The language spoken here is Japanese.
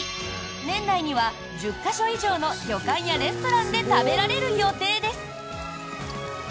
年内には１０か所以上の旅館やレストランで食べられる予定です。